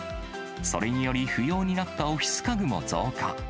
それにより、不要になったオフィス家具も増加。